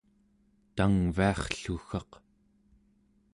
tangviarrluggaq